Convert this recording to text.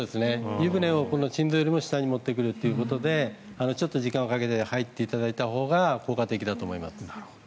湯舟を心臓よりも下に持ってくるということで時間かけて入っていただいたほうが効果的だと思います。